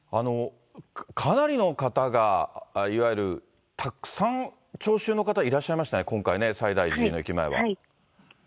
かなりの方が、いわゆるたくさん聴衆の方、いらっしゃいましたね、今回ね、西大寺の駅前は。